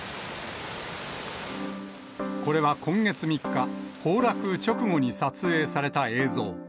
これは今月３日、崩落直後に撮影された映像。